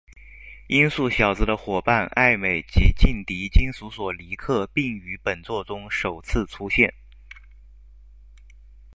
音速小子的夥伴艾美及劲敌金属索尼克并于本作中首次出现。